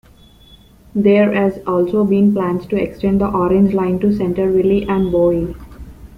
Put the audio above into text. There as also been plans to extend the Orange Line to Centreville and Bowie.